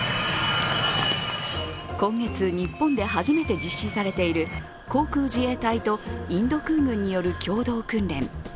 今月日本で初めて実施されている航空自衛隊とインド空軍による共同訓練。